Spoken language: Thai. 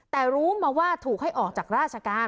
แต่รู้มาว่าถูกให้ออกจากราชการ